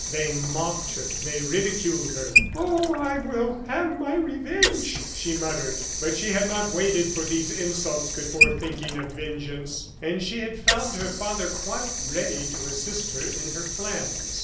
They mocked her; they ridiculed her! "Oh! I will have my revenge!" she muttered. But she had not waited for these insults before thinking of vengeance; and she had found her father quite ready to assist her in her plans.